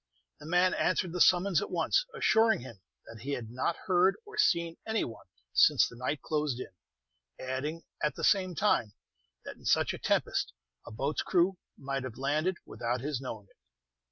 The man answered the summons at once, assuring him that he had not heard or seen any one since the night closed in; adding, at the same time, that in such a tempest a boat's crew might have landed without his knowing it.